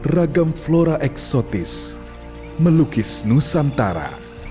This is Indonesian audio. ragam flora eksotis melukis nusantara